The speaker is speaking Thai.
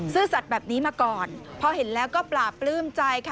สัตว์แบบนี้มาก่อนพอเห็นแล้วก็ปลาปลื้มใจค่ะ